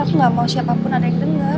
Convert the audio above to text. aku gak mau siapapun ada yang denger